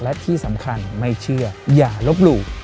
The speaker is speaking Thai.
และที่สำคัญไม่เชื่ออย่าลบหลู่